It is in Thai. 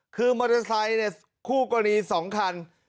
คือมอเตอร์ไซต์คู่กรีสองคัน